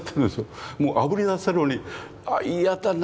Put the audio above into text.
もうあぶり出せるように嫌だな